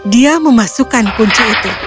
dia memasukkan kunci itu